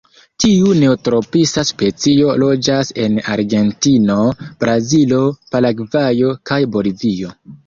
Tiu neotropisa specio loĝas en Argentino, Brazilo, Paragvajo kaj Bolivio.